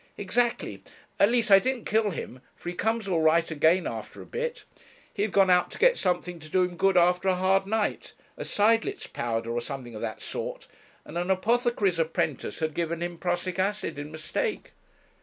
'Exactly; at least I didn't kill him, for he comes all right again after a bit. He had gone out to get something to do him good after a hard night, a Seidlitz powder, or something of that sort, and an apothecary's apprentice had given him prussic acid in mistake.'